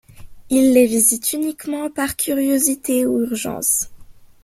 Il les visite uniquement par curiosité ou urgence.